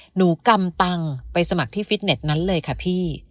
กำตังค์ไปสมัครที่ฟิตเน็ตนั้นเลยค่ะพี่